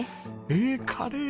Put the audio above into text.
えっカレー！